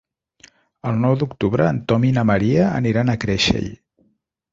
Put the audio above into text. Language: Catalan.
El nou d'octubre en Tom i na Maria aniran a Creixell.